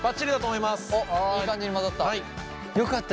いい感じに混ざった。